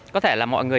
có thể là mọi người